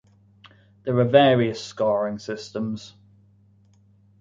There are various scoring systems.